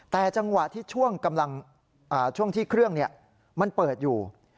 แต่จังหวะที่ช่วงที่เครื่องมันเปิดอยู่